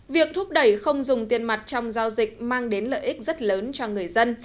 việc thúc đẩy không dùng tiền mặt trong giao dịch mang đến lợi ích rất lớn cho người dân